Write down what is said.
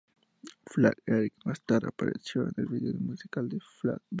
Flat Eric más tarde apareció en el video musical de "Flat Beat".